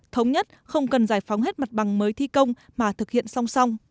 thống nhất không cần giải phóng hết mặt bằng mới thi công mà thực hiện song song